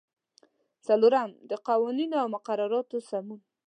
څلورم: د قوانینو او مقرراتو سمون.